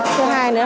thứ hai nữa